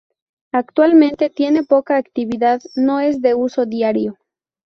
Actualmente tiene poca actividad, no es de uso diario.